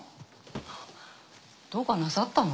どうかなさったの？